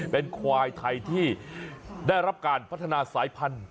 เป็นควายไทยที่ได้รับการพัฒนาสายพันธุ